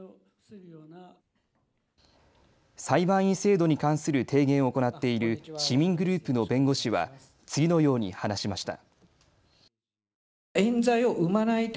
裁判員制度に関する提言を行っている市民グループの弁護士は次のように話しました。